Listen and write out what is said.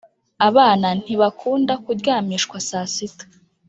Abana ntibakunda kuryamishwa sasita